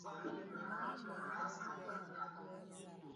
Mbir àkuŋ ìsə adəm anyì.